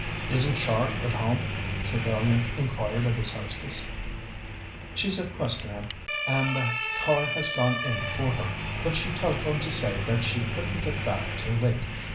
"Isn't Char at home?" Trevellyan inquired of his hostess. "She's at Questerham, and the car has gone in for her, but she telephoned to say that she couldn't get back till late.